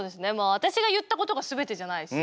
私が言ったことが全てじゃないし。